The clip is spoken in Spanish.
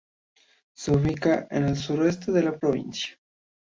Se ubica en el sureste de la provincia.